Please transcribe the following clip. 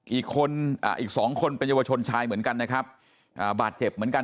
อีกสองคนเป็นเยาวชนชายเหมือนกันนะครับบาดเจ็บเหมือนกัน